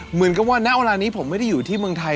เหมือนกับว่าณเวลานี้ผมไม่ได้อยู่ที่เมืองไทย